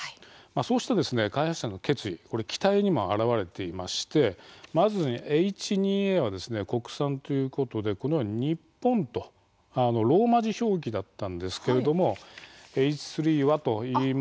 そうした開発者の決意機体にも表れていましてまず、Ｈ２Ａは国産ということでこのように「ＮＩＰＰＯＮ」とローマ字表記だったんですけれども、Ｈ３はといいますと。